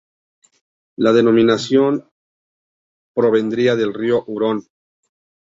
La denominación provendría de Rio-Urón.